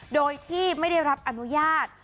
โดยที่ไม่ได้รับอนุญาต